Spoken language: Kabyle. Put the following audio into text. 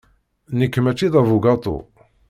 Nekk maci d abugaṭu.